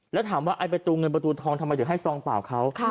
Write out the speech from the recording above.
แล้วถามว่าไอ้ประตูเงินประตูทองทำไมถึงให้ซองเปล่าเขา